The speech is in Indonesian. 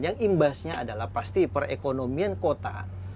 yang imbasnya adalah pasti perekonomian kota